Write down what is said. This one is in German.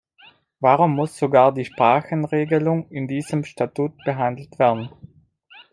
Warum muss sogar die Sprachenregelung in diesem Statut behandelt werden?